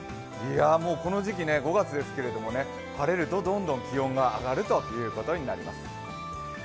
この時期、５月ですけど晴れるとどんどん気温が上がるということになります。